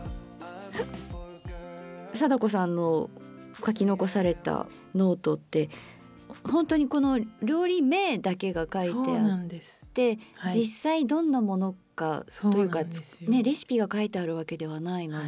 貞子さんの書き残されたノートってほんとに料理名だけが書いてあって実際どんなものかというかねレシピが書いてあるわけではないので。